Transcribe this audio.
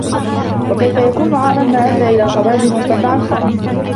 وَكَيْفَ يَكُونُ عَارًا مَا أَدَّى إلَى صَوَابٍ وَصَدَّ عَنْ خَطَأٍ